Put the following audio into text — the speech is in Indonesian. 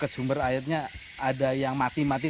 sumber airnya ada yang mati mati